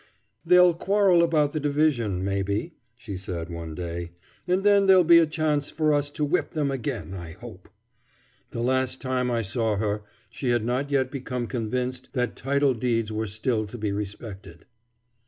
"They'll quarrel about the division, maybe," she said one day, "and then there'll be a chance for us to whip them again, I hope." The last time I saw her, she had not yet become convinced that title deeds were still to be respected.